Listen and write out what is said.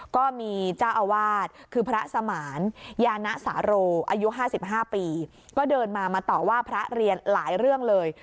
ก็มีเจ้าอาวาสคือพระสมานยานะสาโรอายุ๕๕ปีก็เดินมามาต่อว่าพระเรียนหลายเรื่องเลย